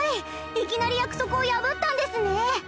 いきなり約束を破ったんですね！